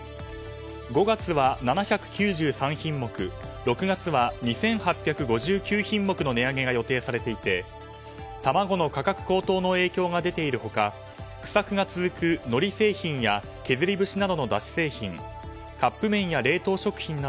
５月は７９３品目６月は２８５９品目の値上げが予定されていて卵の価格高騰の影響が出ている他不作が続く、のり製品や削り節などの、だし製品。